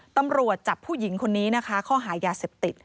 ตำรวจจับผู้หญิงคนนี้นะคะข้อหายาเสพติด